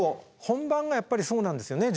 本番がやっぱりそうなんですよね。